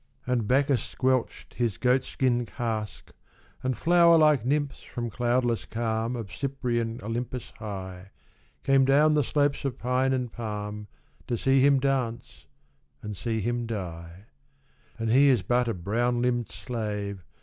And Bacchus squelched his goat skin cask. And flower like nymphs from cloudless calm Of Cyprian Olympus high. Came down the slopes of pine and palm To see him dance and see him die. And he is but a brown limbed slave.